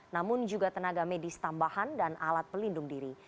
namun juga tenaga medis tambahan dan alat pelindung diri